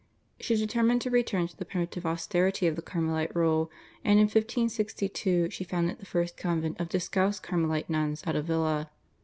She determined to return to the primitive austerity of the Carmelite rule, and in 1562 she founded the first convent of Discalced Carmelite nuns at Avila.